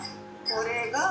「これが」。